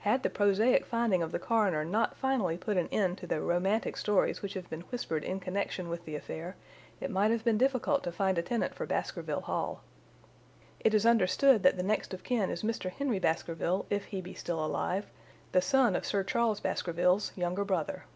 Had the prosaic finding of the coroner not finally put an end to the romantic stories which have been whispered in connection with the affair, it might have been difficult to find a tenant for Baskerville Hall. It is understood that the next of kin is Mr. Henry Baskerville, if he be still alive, the son of Sir Charles Baskerville's younger brother.